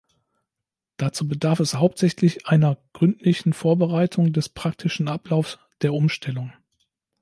Dazu bedarf es hauptsächlich einer gründlichen Vorbereitung des praktischen Ablaufs der Umstellung.